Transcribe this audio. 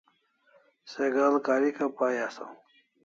Se ga'al karika pai asaw